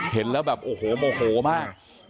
เห็นแล้วแบบโอ้โหโมโหมาก